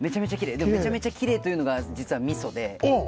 でもめちゃめちゃきれいというのがじつはみそで。